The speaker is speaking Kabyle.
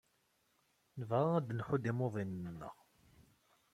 Nebɣa ad nḥudd imuḍinen-nneɣ.